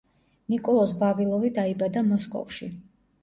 ნიკოლოზ ვავილოვი დაიბადა მოსკოვში.